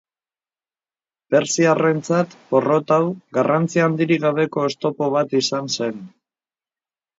Persiarrentzat, porrot hau, garrantzi handirik gabeko oztopo bat izan zen.